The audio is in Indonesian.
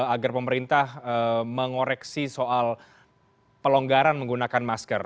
agar pemerintah mengoreksi soal pelonggaran menggunakan masker